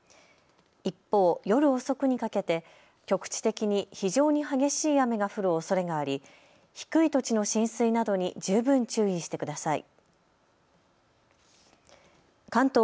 一方、夜遅くにかけて局地的に非常に激しい雨が降るおそれがあり低い土地の浸水などに十分注意してください。